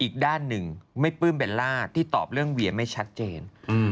อีกด้านหนึ่งไม่ปลื้มเบลล่าที่ตอบเรื่องเวียไม่ชัดเจน